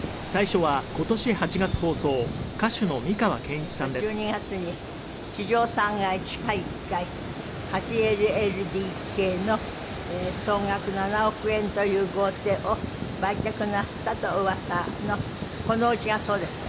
ところで去年１２月に地上３階地下１階８ＬＬＤＫの総額７億円という豪邸を売却なすったとうわさのこのお家がそうですか？